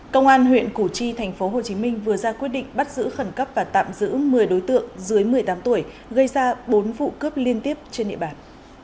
công an huyện củ chi tp hcm vừa ra quyết định bắt giữ khẩn cấp và tạm giữ một mươi đối tượng dưới một mươi tám tuổi gây ra bốn vụ cướp liên tiếp trên địa bàn